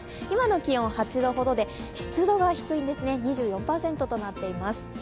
今の気温は８度ほどで、湿度が低いんですね、２４％となっています。